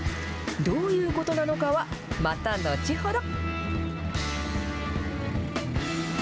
どういうことなのかは、また後ほど。